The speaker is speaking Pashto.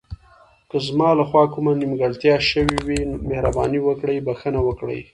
که زما له خوا کومه نیمګړتیا شوې وي، مهرباني وکړئ بښنه وکړئ.